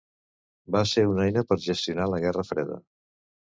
va ser una eina per gestionar la guerra freda